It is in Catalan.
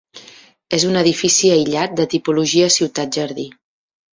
És un edifici aïllat de tipologia ciutat-jardí.